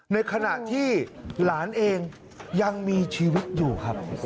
ในขณะที่หลานเองยังมีชีวิตอยู่ครับ